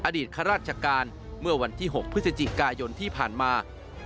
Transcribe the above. ข้าราชการเมื่อวันที่๖พฤศจิกายนที่ผ่านมา